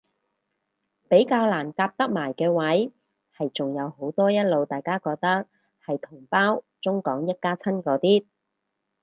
比較難夾得埋嘅位係仲有好多一路覺得大家係同胞中港一家親嗰啲